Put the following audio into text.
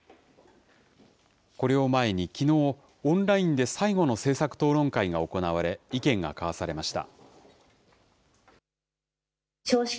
これを前にきのう、オンラインで最後の政策討論会が行われ、意見が交わされました。